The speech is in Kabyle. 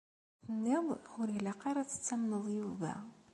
Tenniḍ-d ur ilaq ara ad tettamneḍ Yuba?